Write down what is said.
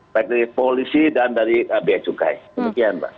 baik dari polisi dan dari beacukai demikian pak